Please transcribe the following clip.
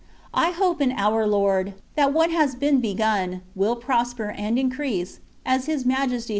I hope in our Lord, that what has been begun, will prosper and increase, as His Majesty has promised me.''